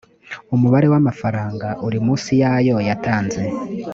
umubare w’amafaranga uri munsi y’ayo yatanze